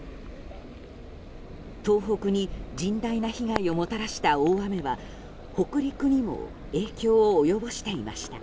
東北に甚大な被害をもたらした大雨は北陸にも影響を及ぼしていました。